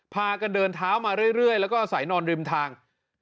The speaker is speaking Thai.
พากันเดินเท้ามาเรื่อยแล้วก็อาศัยนอนริมทาง